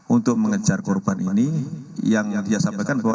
untuk mengejar korban ini yang dia sampaikan bahwa